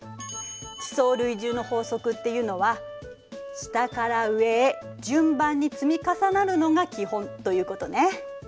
「地層累重の法則」っていうのは下から上へ順番に積み重なるのが基本ということね。